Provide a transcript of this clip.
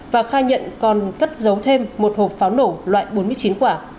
và khai nhận còn cất giấu thêm một hộp pháo nổ loại bốn mươi chín quả